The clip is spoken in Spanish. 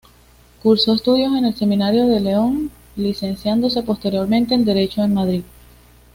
Cursó estudios en el Seminario de León, licenciándose posteriormente en Derecho en Madrid.